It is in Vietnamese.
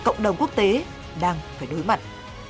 cộng đồng quốc tế đang phải đối mặt